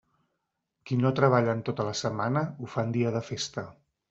Qui no treballa en tota la setmana, ho fa en dia de festa.